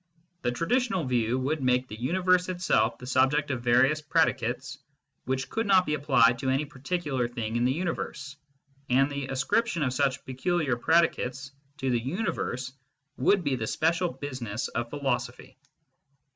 The traditional view would make the universe itself the subject of various predicates which could not be applied to any particular thing in the universe, and the ascription of such peculiar predicates to the universe would be the special business of philosophy.